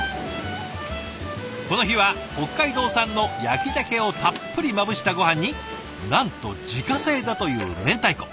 この日は北海道産の焼きじゃけをたっぷりまぶしたごはんになんと自家製だというめんたいこ。